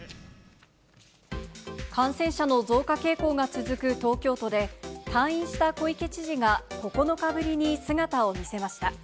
感染者の増加傾向が続く東京都で、退院した小池知事が９日ぶりに姿を見せました。